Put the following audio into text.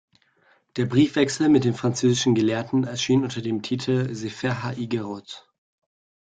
Der Briefwechsel mit den französischen Gelehrten erschien unter dem Titel "Sefer ha-Iggerot".